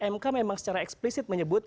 mk memang secara eksplisit menyebut